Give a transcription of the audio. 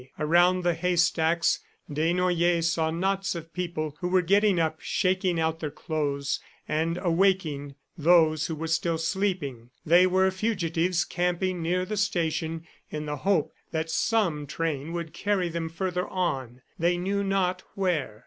Around the hay stacks Desnoyers saw knots of people who were getting up, shaking out their clothes, and awaking those who were still sleeping. They were fugitives camping near the station in the hope that some train would carry them further on, they knew not where.